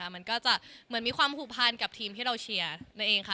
มันก็จะเหมือนมีความผูกพันกับทีมที่เราเชียร์นั่นเองค่ะ